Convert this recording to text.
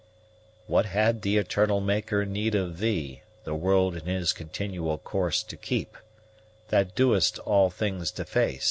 What had the Eternall Maker need of thee, The world in his continuall course to keepe, That doest all things deface?